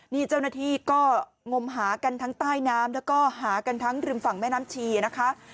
นี่เจ้าหน้าที่ก็งมหากันทั้งใต้น้ำแล้วก็หากันทั้งริมฝั่งแม่น้ำชีนะคะ